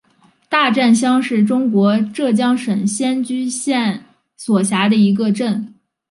大战乡是中国浙江省仙居县所辖的一个镇。